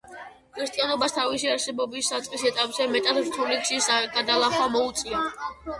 ქრისტიანობას თავისი არსებობის საწყის ეტაპზე მეტად რთული გზის გადალახვა მოუწია.